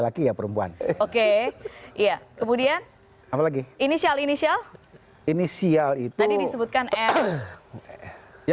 jadi semua ya